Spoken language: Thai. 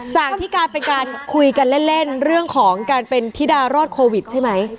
จากที่การเป็นการคุยกันเล่นเรื่องของการเป็นธิดารอดโควิดใช่ไหม